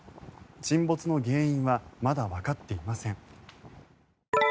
沈没の原因はまだわかっていません。